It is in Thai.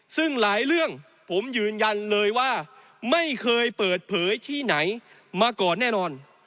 ซึ่งหลายเรื่องผมยืนยันเลยว่าไม่เคยเปิดเผยที่ไหนมาก่อนแน่นอน